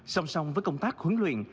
song song với công tác huấn luyện